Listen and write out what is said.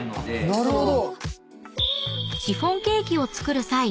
なるほど！